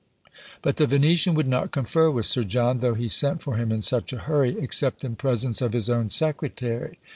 But the Venetian would not confer with Sir John, though he sent for him in such a hurry, except in presence of his own secretary.